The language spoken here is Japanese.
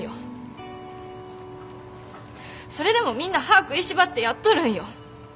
それでもみんな歯食いしばってやっとるんよ。